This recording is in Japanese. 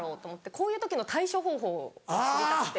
こういう時の対処方法を知りたくて。